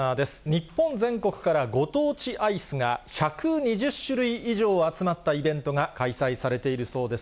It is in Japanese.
日本全国からご当地アイスが１２０種類以上集まったイベントが開催されているそうです。